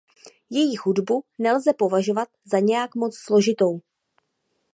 Jejich hudbu nelze považovat za nějak moc složitou.